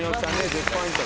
１０ポイント。